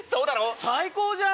最高じゃん！